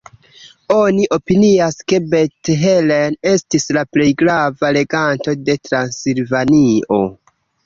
Oni opinias ke Bethlen estis la plej grava reganto de Transilvanio.